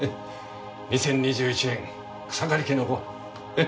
２０２１年草刈家のごはん。